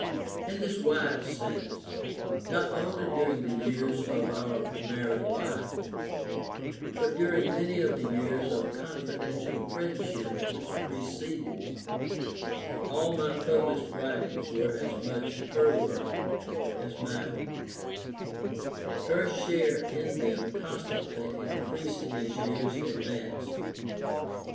In this wide sense, not only during the years of our married life, but during many of the years of confidential friendship which preceded, all my published writings were as much here work as mine; her share in them constantly increasing as years advanced.